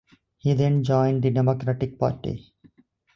He then joined the Democratic Party.